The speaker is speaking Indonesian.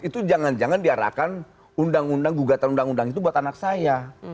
itu jangan jangan diarahkan undang undang gugatan undang undang itu buat anak saya